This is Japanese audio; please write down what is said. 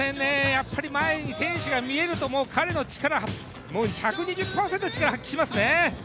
やっぱり前に選手が見えると彼の力、１２０％発揮しますね。